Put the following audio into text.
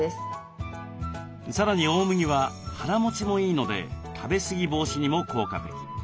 さらに大麦は腹もちもいいので食べ過ぎ防止にも効果的。